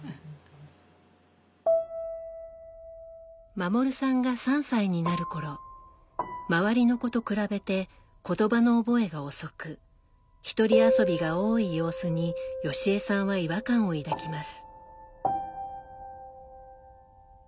護さんが３歳になる頃周りの子と比べて言葉の覚えが遅くひとり遊びが多い様子にヨシヱさんは違和感を抱きます。